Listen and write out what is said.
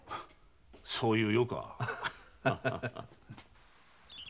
そういう世か。